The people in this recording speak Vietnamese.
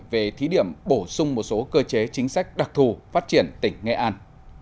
về thí điểm bổ sung một số cơ chế chính sách đặc thù phát triển tỉnh nghệ an